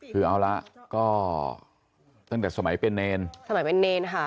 คือเอาละก็ตั้งแต่สมัยเป็นเนรสมัยเป็นเนรค่ะ